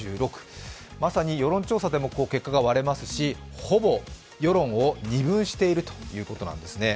まさに世論調査でも結果が割れますし、ほぼ世論を二分しているということなんですね。